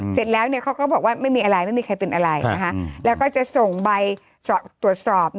เสร็จแล้วเขาก็บอกว่าไม่มีอะไรไม่มีใครเป็นอะไรแล้วก็จะส่งใบตรวจสอบ